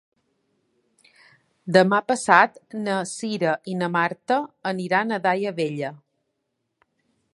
Demà passat na Cira i na Marta aniran a Daia Vella.